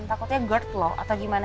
takutnya gerd loh atau gimana